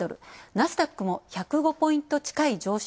ナスダックも１０５ポイント近い上昇。